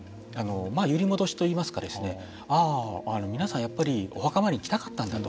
揺り戻しといいますかねああ、皆さんやっぱりお墓参りに来たかったんだと。